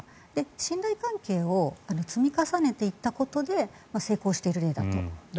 信頼関係を積み重ねていったことで成功している例だと思いますね。